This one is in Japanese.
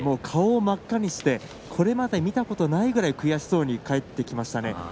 顔を真っ赤にしてこれまで見たことないぐらい悔しそうに帰ってきました。